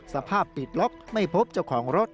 สภาพปิดล็อกไม่พบเจ้าของรถ